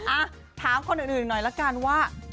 อ่ะถามคนอื่นหน่อยละกันว่า